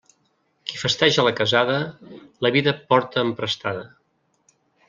Qui festeja la casada, la vida porta emprestada.